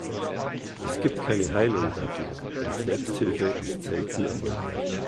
Es gibt keine Heilung dafür und Selbsthilfe ist selten erfolgreich.